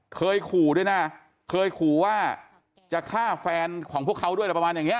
เคยขู่ด้วยนะเคยขู่ว่าจะฆ่าแฟนของพวกเขาด้วยอะไรประมาณอย่างเง